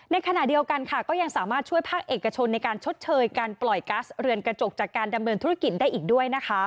ในขณะเดียวกันค่ะก็ยังสามารถช่วยภาคเอกชนในการชดเชยการปล่อยกัสเรือนกระจกจากการดำเนินธุรกิจได้อีกด้วยนะคะ